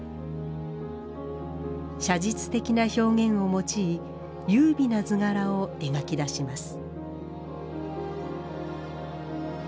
写実的な表現を用い優美な図柄を描き出します